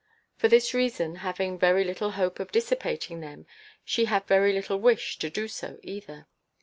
For this reason, having very little hope of dissipating them, she had very little wish to do so either.